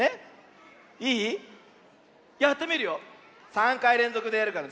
３かいれんぞくでやるから。